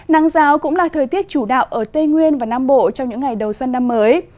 nắng giáo cũng là thời tiết chủ đạo ở tây nguyên và nam bộ trong những ngày đầu xuân năm mới